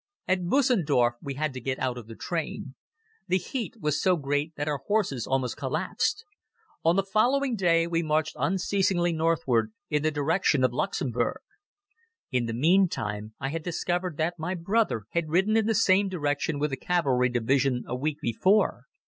At Busendorf we had to get out of the train. The heat was so great that our horses almost collapsed. On the following day we marched unceasingly northward in the direction of Luxemburg. In the meantime, I had discovered that my brother had ridden in the same direction with a cavalry division a week before.